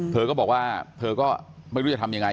เธอก็บอกว่าเธอก็ไม่รู้จะทำยังไง